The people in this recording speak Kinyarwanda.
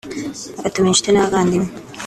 bagatumira inshuti n’abavandimwe